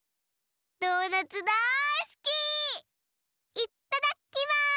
いっただっきます！